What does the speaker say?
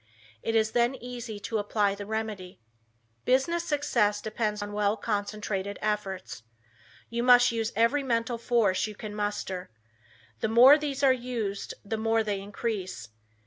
It is then easy to apply the remedy. Business success depends on well concentrated efforts. You must use every mental force you can master. The more these are used the more they increase.